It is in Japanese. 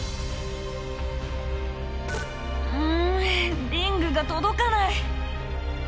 うんリングが届かない！